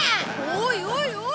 おいおいおい！